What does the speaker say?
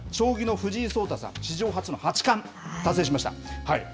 藤井聡太さん、史上初の八冠達成しました。